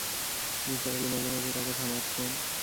নিসার আলি মাঝে-মাঝে তাঁকে থামাচ্ছেন।